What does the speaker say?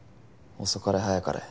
遅かれ早かれ